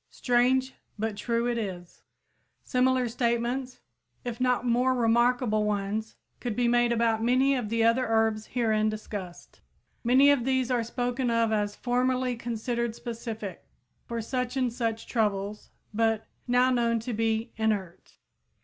Strange, but true it is! Similar statements if not more remarkable ones could be made about many of the other herbs herein discussed. Many of these are spoken of as "formerly considered specific" for such and such troubles but "now known to be inert."